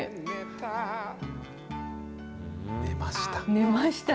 寝ました。